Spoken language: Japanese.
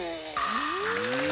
うん。